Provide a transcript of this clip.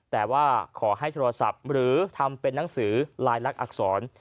แต่ว่าขอให้โทรศัพท์หรือทำเป็นนังสือลายลักษณ์อักษร